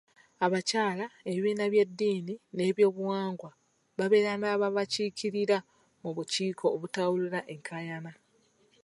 Abakyala, ebibiina by’eddini n’ebyobuwangwa babeere n’ababakiikirira mu bukiiko obutawulula enkaayana.